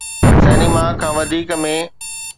cinema کان وڌيڪ ۾